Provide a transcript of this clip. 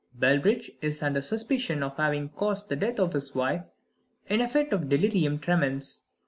Bellbridge is under suspicion of having caused the death of his wife in a fit of delirium tremens.